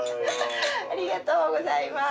ありがとうございます。